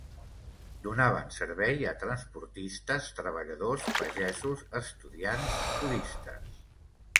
Donaven servei a transportistes, treballadors, pagesos, estudiants, turistes.